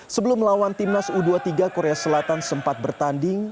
sebelum melawan timnas u dua puluh tiga korea selatan sempat bertanding